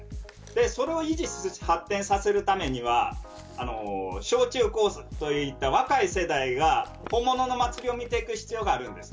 それを維持、発展させるためには小中高といった若い世代が本物の祭りを見ていく必要があります。